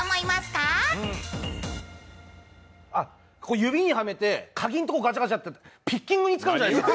指にはめて鍵のところガチャガチャピッキングに使うんじゃないですか？